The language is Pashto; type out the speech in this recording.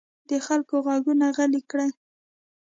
د خلکو غږونه غلي کړي.